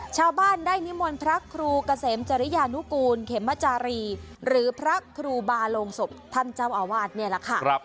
ชาวบ้านได้นิมนต์พระครูเกษมจริยานุกูลเขมจารีหรือพระครูบาลงศพท่านเจ้าอาวาสนี่แหละค่ะ